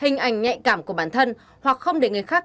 nhạy cảm của bản thân hoặc không để người khác